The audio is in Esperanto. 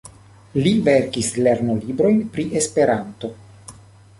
Li verkis lernolibrojn pri Esperanto.